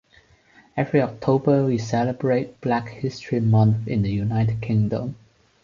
Every October we celebrate Black History Month in the United Kingdom.